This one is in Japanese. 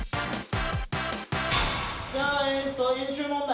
じゃあえっと演習問題